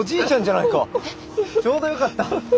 ちょうどよかった。